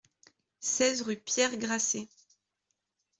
seize rue Pierre Grasset